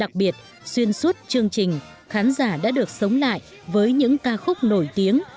đặc biệt xuyên suốt chương trình khán giả đã được sống lại với những ca khúc nổi tiếng